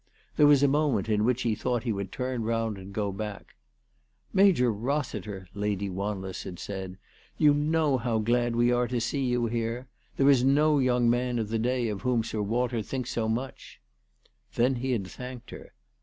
There was a moment in which he thought he would turn round and go back. " Major Rossiter," Lady Wanless had said, " you know how glad we are to see you here. There is no young man of the day of whom Sir Walter thinks so much/' Then he had thanked her.